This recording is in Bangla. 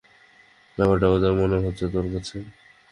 ব্যাপারটা মজার মনে হচ্ছে তোর কাছে?